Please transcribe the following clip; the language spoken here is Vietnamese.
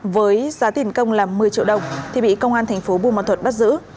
với giá tiền công là một mươi triệu đồng thì bị công an tp bùn ma thuật bắt giữ